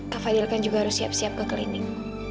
kak fadil kan juga harus siap siap ke klinik